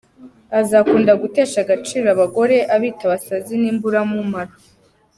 Azakunda gutesha agaciro abagore abita abasazi n’imburamumaro.